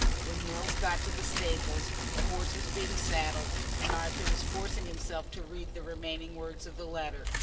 When Mills got to the stables, a horse was being saddled, and Arthur was forcing himself to read the remaining words of the letter.